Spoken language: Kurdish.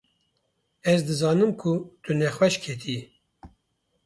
Ez dizanim ku tu nexweş ketiye